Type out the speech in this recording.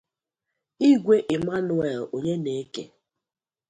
Igwe Emmanuel Onyeneke